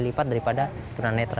lebih cepat daripada tunanetra